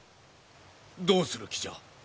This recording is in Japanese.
どうする気じゃ。